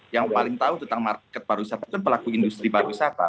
yang paling tahu tentang market para wisata itu pelaku industri para wisata